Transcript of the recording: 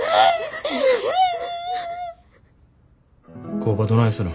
工場どないするん。